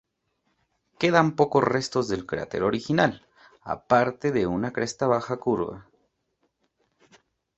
Quedan pocos restos del cráter original, aparte de una cresta baja curva.